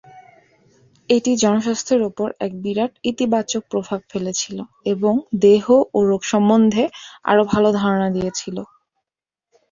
এটি জনস্বাস্থ্যের উপর এক বিরাট ইতিবাচক প্রভাব ফেলেছিল এবং দেহ ও রোগ সম্বন্ধে আরও ভাল ধারণা দিয়েছিল।